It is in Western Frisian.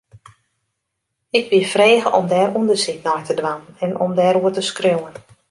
Ik wie frege om dêr ûndersyk nei te dwaan en om dêroer te skriuwen.